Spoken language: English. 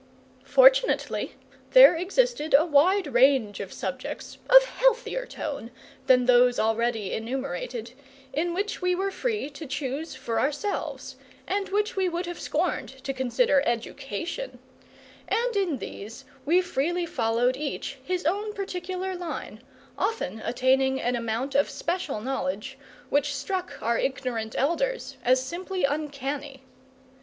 Fortunately there existed a wide range of subjects, of healthier tone than those already enumerated, in which we were free to choose for ourselves, and which we would have scorned to consider education; and in these we freely followed each his own particular line, often attaining an amount of special knowledge which struck our ignorant elders as simply uncanny.